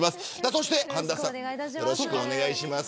そして、神田さんよろしくお願いします。